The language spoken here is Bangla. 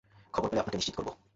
খবর পেলে আপনাকে নিশ্চিত করব।